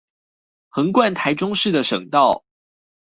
橫貫臺中市的省道